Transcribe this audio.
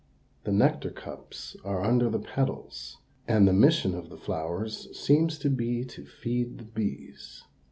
The nectar cups are under the petals, and the mission of the flowers seems to be to feed the bees.